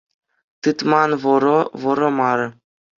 Тытман вӑрӑ — вӑрӑ мар